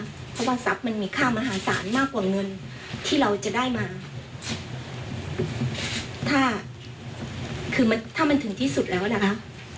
เพราะว่าทรัพย์มันมีค่ามหาศาลมากกว่าเงินที่เราจะได้มาถ้าคือมันถ้ามันถึงที่สุดแล้วนะคะ